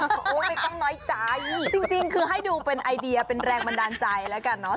โอ้โหไม่ต้องน้อยใจจริงคือให้ดูเป็นไอเดียเป็นแรงบันดาลใจแล้วกันเนอะ